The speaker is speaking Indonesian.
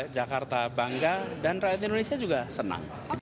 jakarta bangga dan rakyat indonesia juga senang